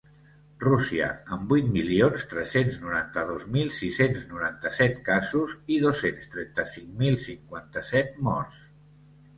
Rússia, amb vuit milions tres-cents noranta-dos mil sis-cents noranta-set casos i dos-cents trenta-cinc mil cinquanta-set morts.